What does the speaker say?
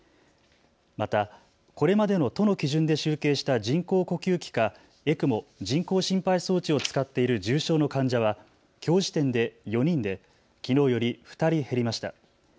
また、これまでの都の基準で集計した人工呼吸器かＥＣＭＯ・人工心肺装置を使っている重症の患者は、きょう時点で４人できのうより２人減りました。